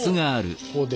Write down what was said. ここで。